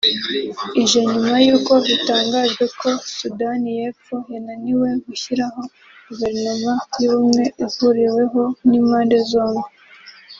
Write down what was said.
ije nyuma y’uko bitangajwe ko Sudani y’Epfo yananiwe gushyiraho Guverinoma y’Ubumwe ihuriweho n’impande zombi